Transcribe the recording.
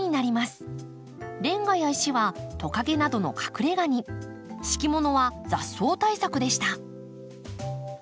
レンガや石はトカゲなどの隠れがに敷物は雑草対策でした。